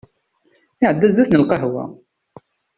Iɛedda zdat n lqahwa.